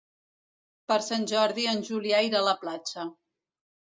Per Sant Jordi en Julià irà a la platja.